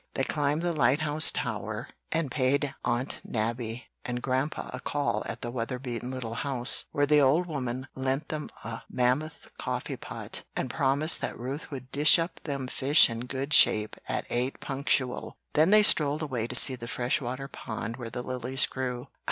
They climbed the lighthouse tower, and paid Aunt Nabby and Grandpa a call at the weather beaten little house, where the old woman lent them a mammoth coffee pot, and promised that Ruth would "dish up them fish in good shape at eight punctooal." Then they strolled away to see the fresh water pond where the lilies grew.